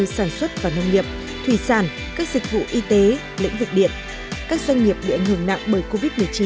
sản xuất và nông nghiệp thủy sản các dịch vụ y tế lĩnh vực điện các doanh nghiệp bị ảnh hưởng nặng bởi covid một mươi chín